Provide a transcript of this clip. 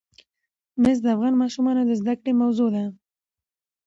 مس د افغان ماشومانو د زده کړې موضوع ده.